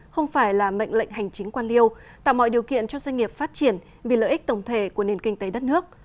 không phải là mệnh lệnh hành chính quan liêu tạo mọi điều kiện cho doanh nghiệp phát triển vì lợi ích tổng thể của nền kinh tế đất nước